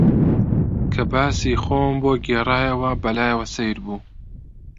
کە باسی خۆم بۆ گێڕایەوە، بە لایەوە سەیر بوو